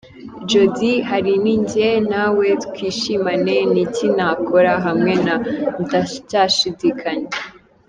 Jody : Hari “Ninjye Nawe”, “Twishimane”, “Ni Iki Ntakora” hamwe na “Ndacyashidikanya”.